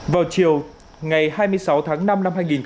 vào chiều ngày hai mươi sáu tháng năm năm hai nghìn hai mươi